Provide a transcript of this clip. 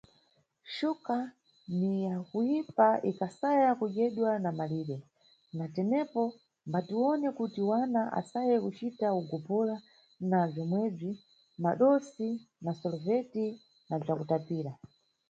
Xuka ni yakuyipa ikasaya kudyedwa na malire, na tenepo mbatiwone kuti wana asaye kucita ugopola na bzomwebzi, madosi na soloveti na bzakutapira.